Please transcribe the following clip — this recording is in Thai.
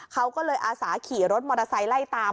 เขาก็เลยอาสาขี่รถมอเตอร์ไซค์ไล่ตาม